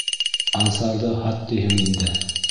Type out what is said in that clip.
Ансарҙы һат тиһең инде.